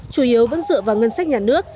chủ yếu vẫn dựa vào ngân sách nhà nước